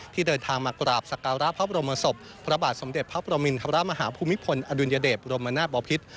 เดินทางมากราบสักการะพระบรมศพพระบาทสมเด็จพระประมินทรมาฮาภูมิพลอดุลยเดชบรมนาศบอพิษ